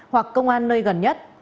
hoặc công an nơi gần nhất